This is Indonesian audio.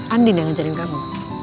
andi yang ngajarin kamu